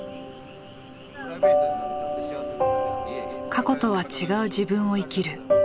過去とは違う自分を生きる。